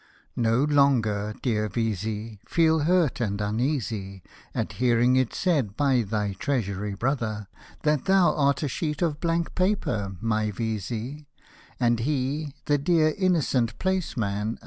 No longer, dear V — sey, feel hurt and uneasy At hearing it said by thy Treasury brother, That thou art a sheet of blank paper, my V — sey, And he, the dear innocent placeman, another.